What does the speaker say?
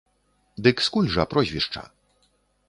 Дык скуль жа прозвішча?